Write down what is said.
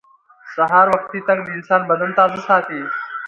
سهار وختي تګ د انسان بدن تازه ساتي